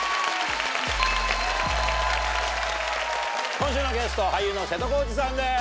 今週のゲスト俳優の瀬戸康史さんです。